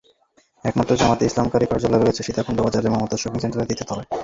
একমাত্র জামায়াতে ইসলামীর কার্যালয় রয়েছে সীতাকুণ্ড বাজারের মমতাজ শপিং সেন্টারের তৃতীয় তলায়।